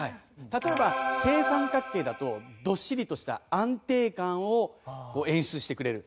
例えば正三角形だとどっしりとした安定感を演出してくれる。